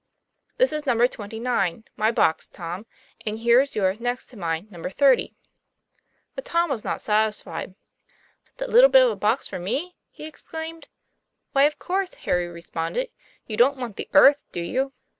' This is number twenty nine my box, Tom ami here's your's next to mine, number thirty." But Tom was not satisfied. ' That little bit of a box for me!" he exclaimed. 'Why, of course," Harry responded. 'You don't want the earth, do you?"